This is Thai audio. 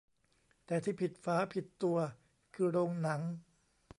แต่ที่ผิดฝาผิดตัวคือโรงหนัง